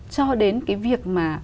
cho đến cái việc mà